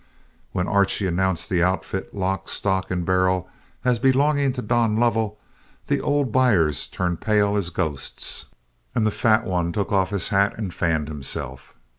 When Archie announced the outfit, lock, stock, and barrel, as belonging to Don Lovell, the old buyers turned pale as ghosts, and the fat one took off his hat and fanned himself.